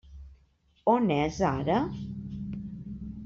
On és ara?